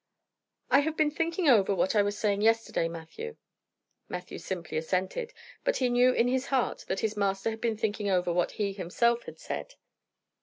"I have been thinking over what I was saying yesterday, Matthew." Matthew simply assented, but he knew in his heart that his master had been thinking over what he himself had said.